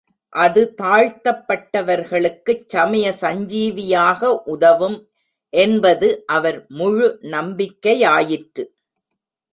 அது தாழ்த்தப்பட்டவர்களுக்குச் சமய சஞ்சீவியாக உதவும் என்பது அவர் முழு நம்பிக்கையாயிற்று.